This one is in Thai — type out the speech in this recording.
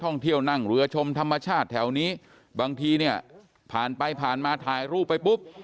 นั่งเรือชมทำมาชาติแถวนี้บางทีเนี่ยผ่านไปผ่านมาถ่ายรูปไปปุ๊บ